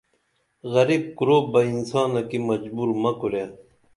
غریب کُرُپبہ انسانہ کی مجبور مہ کُرے